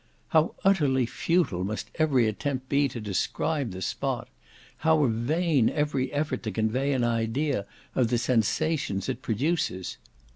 How utterly futile must every attempt be to describe the spot! How vain every effort to convey an idea of the sensations it produces!